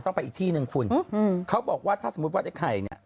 ไปอีกที่หนึ่งคุณอืมเขาบอกว่าถ้าสมมุติว่าไอ้ไข่เนี่ย